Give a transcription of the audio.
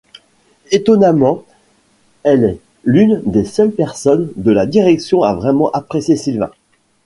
Étonnamment, elle est l'une des seules personnes de la direction à vraiment apprécier Sylvain.